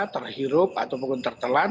terhirup atau mungkin tertelan